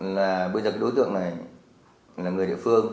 là bây giờ đối tượng này là người địa phương